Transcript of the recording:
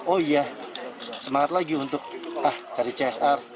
oh iya semangat lagi untuk ah cari csr